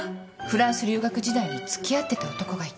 フランス留学時代に付き合ってた男がいた。